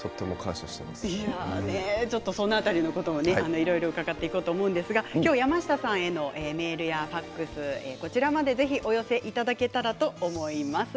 その辺りのこといろいろ伺っていきますが山下さんへのメールやファックスぜひ、お寄せいただけたらと思います。